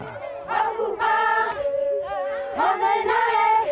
kami berbicara tentang kebahagiaan dan kebahagiaan